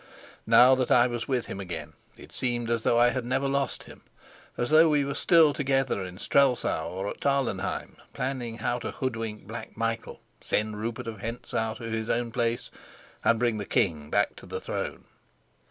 Now that I was with him again it seemed as though I had never lost him; as though we were still together in Strelsau or at Tarlenheim, planning how to hoodwink Black Michael, send Rupert of Hentzau to his own place, and bring the king back to his throne.